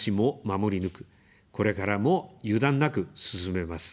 守り抜く、これからも油断なく進めます。